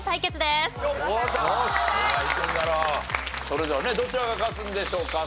それではねどちらが勝つんでしょうか？